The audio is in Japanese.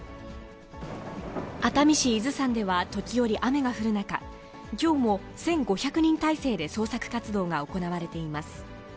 熱海市伊豆山では、時折雨が降る中、きょうも１５００人態勢で捜索活動が行われています。